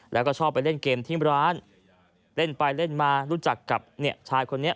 แล้วก็ชอบไปเล่นเกมที่ร้านเล่นไปเล่นมารู้จักกับชายคนนี้